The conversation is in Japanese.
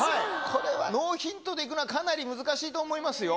これはノーヒントでいくのはかなり難しいと思いますよ。